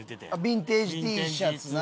ヴィンテージＴシャツな